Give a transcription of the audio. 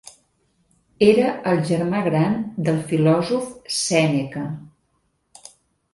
Era el germà gran del filòsof Sèneca.